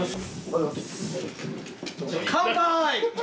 乾杯！